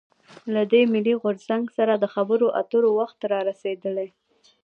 له دې «ملي غورځنګ» سره د خبرواترو وخت رارسېدلی.